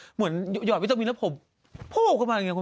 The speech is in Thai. เหมือนหย่อวิธมินแล้วผมพูกเข้ามาอย่างเงี้ย